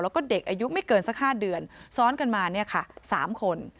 แล้วก็เด็กอายุไม่เกินสัก๕เดือนซ้อนกันมาเนี่ยค่ะ๓คน